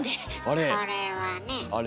これはねえ。